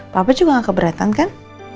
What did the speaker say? papa juga gak keberatan kan